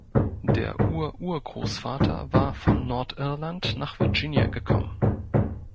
Der Ururgroßvater war von Nordirland nach Virginia gekommen.